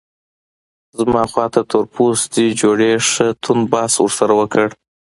زما خواته تور پوستي جوړې ښه توند بحث ورسره وکړ.